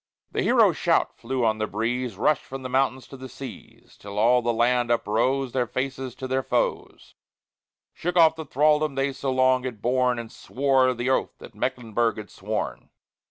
The hero shout flew on the breeze; Rushed from the mountains to the seas; Till all the land uprose, Their faces to their foes, Shook off the thraldom they so long had borne, And swore the oath that Mecklenburg had sworn!